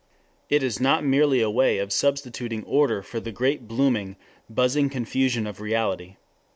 It is not merely a way of substituting order for the great blooming, buzzing confusion of reality.